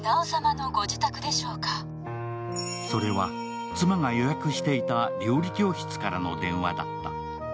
それは妻が予約していた料理教室からの電話だった。